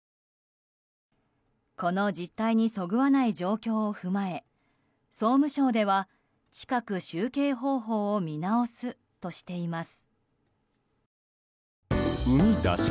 この実態にそぐわない状況を踏まえ総務省では、近く集計方法を見直すとしています。